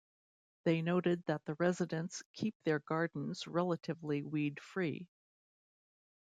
They noted that the residents keep their gardens relatively weed-free.